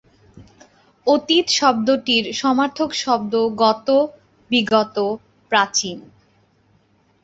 অতীত শব্দটির সমার্থক শব্দ গত, বিগত, প্রাচীন।